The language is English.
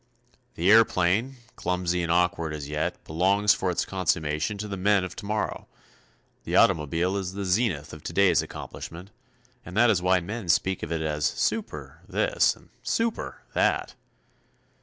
The airplane, clumsy and awkward as yet, belongs for its consummation to the men of tomorrow. The automobile is the zenith of today's accomplishment, and that is why men speak of it as "super" this and "super" that.